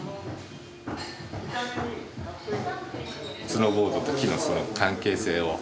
スノーボードと木のその関係性を。